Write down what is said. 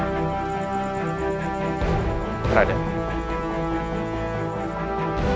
jika mereka ingin membantu pajajaran